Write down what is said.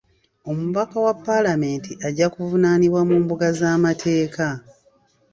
Omubaka wa paalamenti ajja kuvunaanibwa mu mbuga z'amateeka.